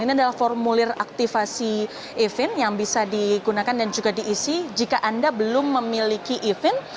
ini adalah formulir aktifasi event yang bisa digunakan dan juga diisi jika anda belum memiliki event